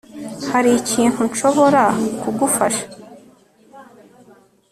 Hari ikintu nshobora kugufasha